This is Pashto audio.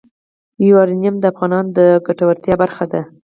یورانیم د افغانانو د ګټورتیا برخه ده.